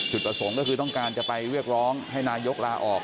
ประสงค์ก็คือต้องการจะไปเรียกร้องให้นายกลาออก